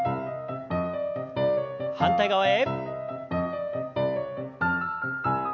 反対側へ。